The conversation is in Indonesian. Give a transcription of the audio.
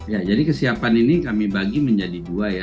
ya jadi kesiapan ini kami bagi menjadi dua ya